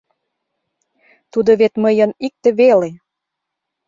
Тудо вет мыйын икте веле.